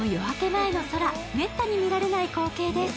前の空、めったに見られない光景です。